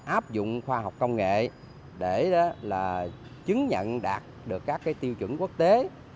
áp dụng khoa học công nghệ để chứng nhận đạt được các tiêu chuẩn quốc tế